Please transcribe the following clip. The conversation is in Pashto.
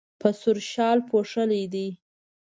په سور شال پوښلی دی.